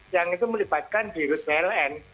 yang itu melibatkan di rut pln